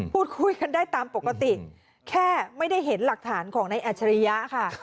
พูดคุยกันได้ตามปกติแค่ไม่ได้เห็นหลักฐานของนายอัจฉริยะค่ะ